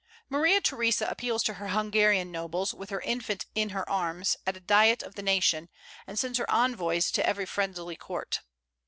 Maria Theresa appeals to her Hungarian nobles, with her infant in her arms, at a diet of the nation, and sends her envoys to every friendly court.